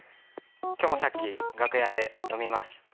今日もさっき楽屋で飲みました。